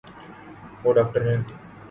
وہ داکٹر ہے